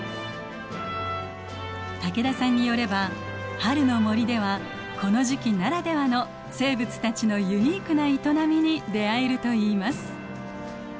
武田さんによれば春の森ではこの時期ならではの生物たちのユニークな営みに出会えるといいます。